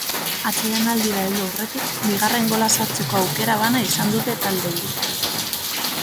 Atsedenaldira heldu aurretik bigarren gola sartzeko aukera bana izan dute talde biek.